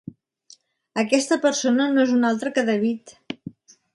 Aquesta persona no és una altra que David.